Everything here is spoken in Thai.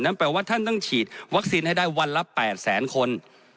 แปลว่าท่านต้องฉีดวัคซีนให้ได้วันละ๘แสนคน